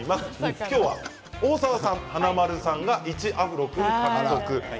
大沢さん、華丸さんが１アフロ君獲得。